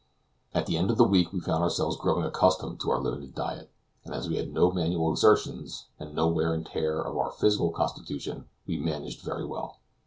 At the end of the week we found ourselves growing accustomed to our limited diet, and as we had no manual exertion, and no wear and tear of our physical constitution, we managed very well.